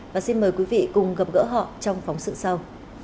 và xin mời quý vị cùng gặp gỡ họ trong phóng sự sau